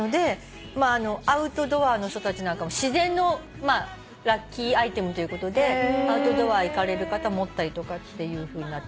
アウトドアの人たちなんかも自然のラッキーアイテムということでアウトドア行かれる方持ったりとかっていうふうになってる。